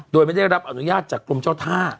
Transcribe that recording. โดยไม่ได้รับอนุญาตจากกรมเจ้าท่า